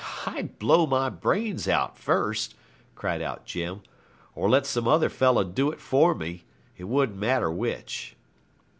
'I'd blow my brains out first,' cried out Jim, 'or let some other fellow do it for me. It wouldn't matter which.'